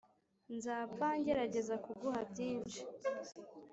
nzapfa ngerageza kuguha byinshi